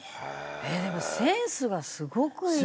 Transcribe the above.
でもセンスがすごくいい。